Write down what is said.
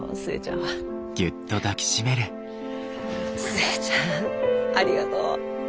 寿恵ちゃんありがとう！